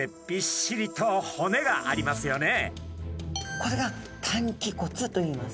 これが担鰭骨といいます。